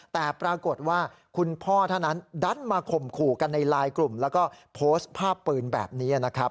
แต่ปรากฏว่าคุณพ่อท่านนั้นดันมาข่มขู่กันในไลน์กลุ่มแล้วก็โพสต์ภาพปืนแบบนี้นะครับ